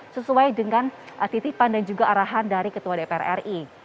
sesuai dengan titipan dan juga arahan dari ketua dpr ri